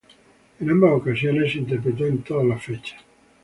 En ambas ocasiones, se interpretó en todas las fechas.